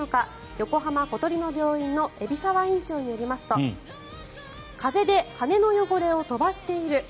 横浜小鳥の病院の海老沢院長によりますと風で羽の汚れを飛ばしている。